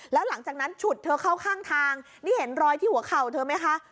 แล้วหลังจากนั้นฉุดเธอเข้าข้างทางนี่เห็นรอยที่หัวเข่าเธอไหมคะ